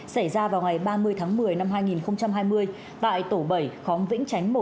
xảy ra vào ngày ba mươi tháng một mươi năm hai nghìn hai mươi tại tổ bảy khóng vĩnh chánh một